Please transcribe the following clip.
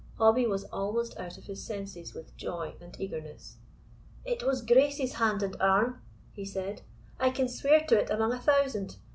Hobbie was almost out of his senses with joy and eagerness. "It was Grace's hand and arm," he said; "I can swear to it amang a thousand.